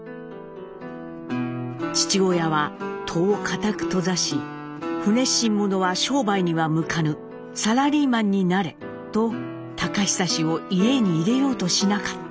父親は戸を固く閉ざし不熱心者は商売には向かぬサラリーマンになれと隆久氏を家に入れようとしなかった」。